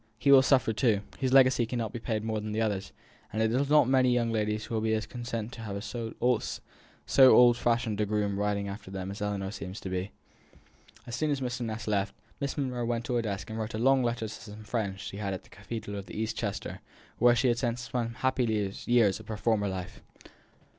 he will suffer too; his legacy can no more be paid than the others; and it is not many young ladies who will be as content to have so old fashioned a groom riding after them as Ellinor seems to be." As soon as Mr. Ness had left, Miss Monro went to her desk and wrote a long letter to some friends she had at the cathedral town of East Chester, where she had spent some happy years of her former life.